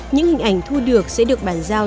những hình ảnh thu được sẽ được bàn giao